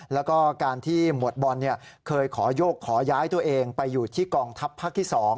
แล้วก็การที่หมวดบอลเคยขอโยกขอย้ายตัวเองไปอยู่ที่กองทัพภาคที่๒